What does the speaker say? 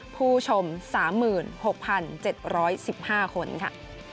ผู้ชม๓๖๗๑๕คนค่ะ